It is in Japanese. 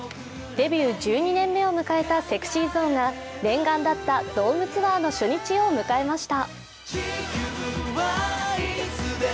デビュー１２年目を迎えたＳｅｘｙＺｏｎｅが念願だったドームツアーの初日を迎えました。